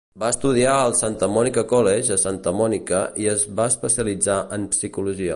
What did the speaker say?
Va estudiar al Santa Monica College a Santa Monica i es va especialitzar en psicologia.